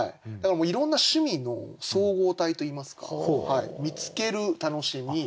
いろんな趣味の総合体といいますか見つける楽しみ